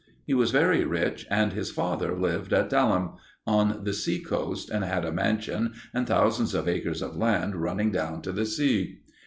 He was very rich, and his father lived at Daleham, on the sea coast, and had a mansion and thousands of acres of land running down to the sea.